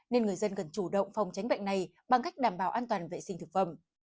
nên người dân cần chủ động phòng tránh bệnh này bằng cách đảm bảo an toàn vệ sinh thực phẩm